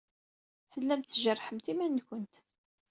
Tellamt tjerrḥemt iman-nwent.